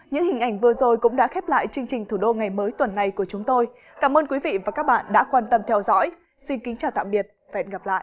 những hình ảnh vừa rồi cũng đã khép lại chương trình thủ đô ngày mới tuần này của chúng tôi cảm ơn quý vị và các bạn đã quan tâm theo dõi xin kính chào tạm biệt và hẹn gặp lại